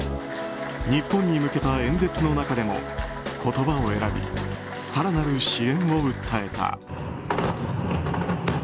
日本に向けた演説の中でも言葉を選び更なる支援を訴えた。